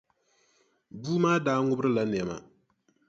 Bua maa daa ŋubirila nɛma.